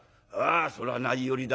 それは何よりだ。